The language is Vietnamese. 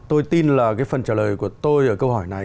tôi tin là cái phần trả lời của tôi ở câu hỏi này